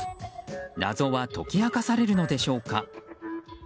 謎は解き明かされるのでしょうか。